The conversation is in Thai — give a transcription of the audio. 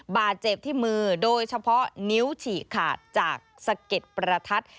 บาดเจ็บที่มือโดยเฉพาะนิ้วฉีกขาดจากสะเก็ดประทัด